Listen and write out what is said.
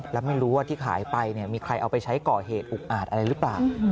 แล้วไม่รู้ว่าที่ขายไปมีใครเอาไปใช้ก่อเหตุอุกอาจอะไรหรือเปล่า